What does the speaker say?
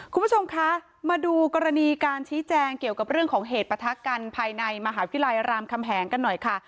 คุณผู้ชมคะมาดูกรณีการชี้แจงเกี่ยวกับเรื่องของเหตุประทักกันภายในมหาวิทยาลัยรามคำแหงกันหน่อยค่ะ